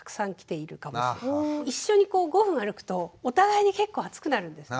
一緒に５分歩くとお互いに結構暑くなるんですね。